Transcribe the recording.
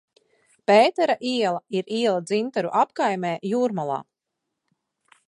Pētera iela ir iela Dzintaru apkaimē Jūrmalā.